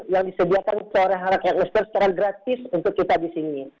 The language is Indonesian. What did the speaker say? yang disediakan sore harinya muskler secara gratis untuk kita di sini